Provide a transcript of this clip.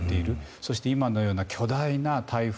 そして、今のような巨大な台風。